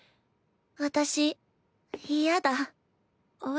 私嫌だ。